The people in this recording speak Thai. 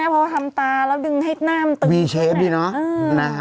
เพราะว่าทำตาแล้วดึงให้หน้ามีเชฟดีน่ะ